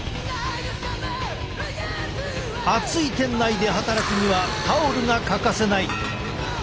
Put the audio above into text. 暑い店内で働くにはタオルが欠かせない。